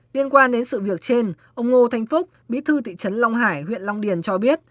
liên quan đến sự việc trên ông ngô thanh phúc bí thư thị trấn long hải huyện long điền cho biết